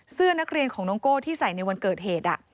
เสื้อนักเรียนของน้องโก้ที่ใส่ในวันเกิดเหตุ